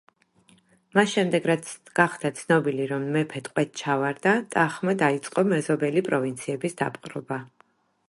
მას შემდეგ რაც გახდა ცნობილი, რომ მეფე ტყვედ ჩავარდა „ტახმა“ დაიწყო მეზობელი პროვინციების დაპყრობა.